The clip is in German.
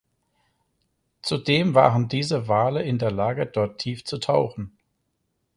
Zudem waren diese Wale in der Lage dort tief zu tauchen.